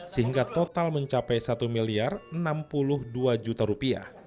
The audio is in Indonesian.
sehingga total mencapai rp satu enam puluh dua